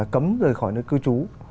cấm rời khỏi nơi cư trú